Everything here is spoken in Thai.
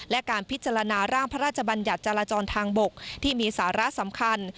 และการพิจารณาร่างพระราชบัญญัติจราจรทางบกที่มีสาระสำคัญ